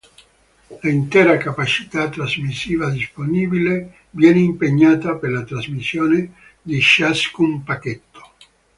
L'intera capacità trasmissiva disponibile viene impegnata per la trasmissione di ciascun pacchetto.